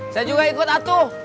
saya juga ikut atuh